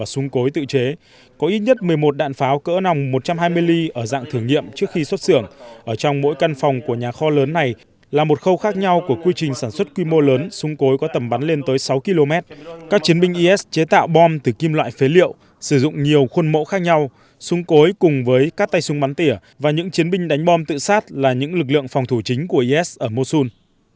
sử dụng nhiều khuôn mẫu khác nhau súng cối cùng với các tay súng bắn tỉa và những chiến binh đánh bom tự sát là những lực lượng phòng thủ chính của is ở mosul